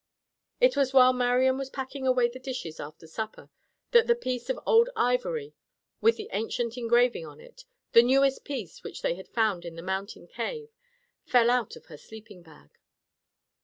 It was while Marian was packing away the dishes after supper that the piece of old ivory with the ancient engraving on it, the newest piece which they had found in the mountain cave, fell out of her sleeping bag.